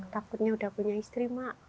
takutnya udah punya istri mak